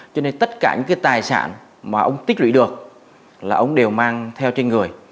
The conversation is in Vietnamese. cho nên tất cả những cái tài sản mà ông tích lũy được là ông đều mang theo trên người